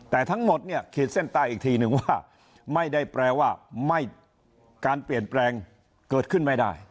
แต่ทั้งหมดเนี่ยขีดเส้นใต้อีกทีนึงว่าไม่ได้แปลว่าการเปลี่ยนแปลงเกิดขึ้นไม่ได้